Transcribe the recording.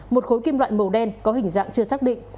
một khối kim loại màu đen có hình dạng chưa xác định